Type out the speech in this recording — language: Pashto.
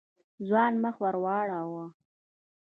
ځوان مخ ور واړاوه.